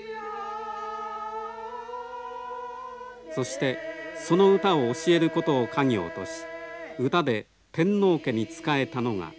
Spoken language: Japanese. そしてその歌を教えることを家業とし歌で天皇家に仕えたのが冷泉家でした。